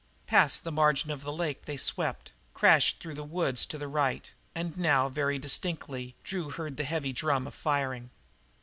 Past the margin of the lake they swept, crashed through the woods to the right; and now, very distinctly, Drew heard the heavy drum of firing.